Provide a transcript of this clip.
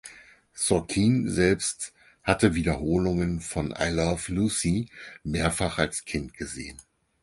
Sorkin selbst hatte Wiederholungen von "I Love Lucy" mehrfach als Kind gesehen.